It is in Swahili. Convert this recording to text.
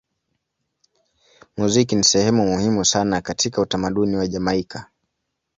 Muziki ni sehemu muhimu sana katika utamaduni wa Jamaika.